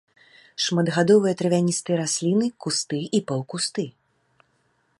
Шматгадовыя травяністыя расліны, кусты і паўкусты.